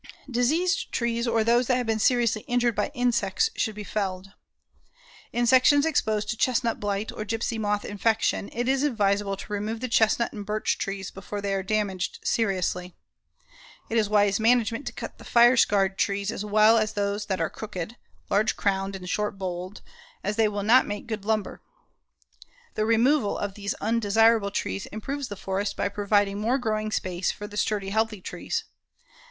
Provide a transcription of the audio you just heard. Diseased trees or those that have been seriously injured by insects should be felled. In sections exposed to chestnut blight or gypsy moth infection, it is advisable to remove the chestnut and birch trees before they are damaged seriously. It is wise management to cut the fire scarred trees as well as those that are crooked, large crowned and short boled, as they will not make good lumber. The removal of these undesirable trees improves the forest by providing more growing space for the sturdy, healthy trees.